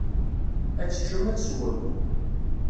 Ad teččem, ad teswem.